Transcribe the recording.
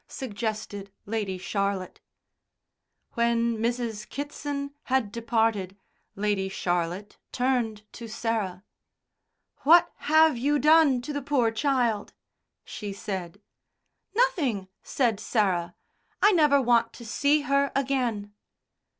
suggested Lady Charlotte. When Mrs. Kitson had departed, Lady Charlotte turned to Sarah. "What have you done to the poor child?" she said. "Nothing," said Sarah. "I never want to see her again."